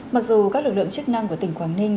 mặc dù các lực lượng chức năng của tỉnh quảng ninh